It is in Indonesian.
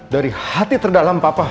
dari hati terdalam papa